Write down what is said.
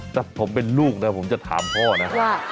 ถ้าผมเป็นลูกนะผมจะถามพ่อนะว่า